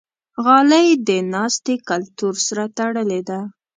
غالۍ د ناستې کلتور سره تړلې ده.